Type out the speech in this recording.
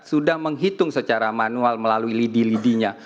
sudah menghitung secara manual melalui lidi lidinya